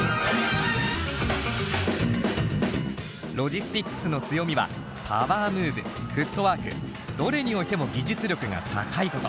Ｌｏｇｉｓｔｘの強みはパワームーブフットワークどれにおいても技術力が高いこと。